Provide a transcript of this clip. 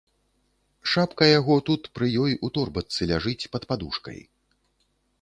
Шапка яго тут пры ёй у торбачцы ляжыць пад падушкай.